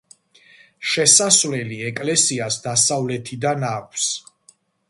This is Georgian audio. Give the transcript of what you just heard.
შესასვლელი ეკლესიას დასავლეთიდან აქვს.